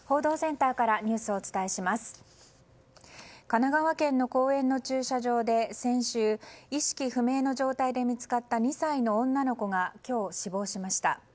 神奈川県の公園の駐車場で、先週意識不明の状態で見つかった２歳の女の子が今日、死亡しました。